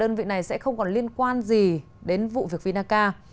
đơn vị này sẽ không còn liên quan gì đến vụ việc vinaca